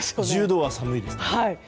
１０度は寒いですね。